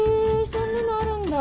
そんなのあるんだ。